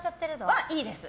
それはいいです。